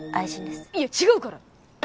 いや違うから！